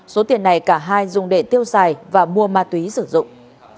số tiền này cả hai dùng để tiêu xài và mua ma túy sử dụng